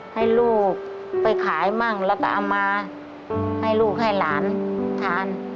ให้ลูกไปขายมั่งแล้วก็เอามาให้ลูกให้หลานทาน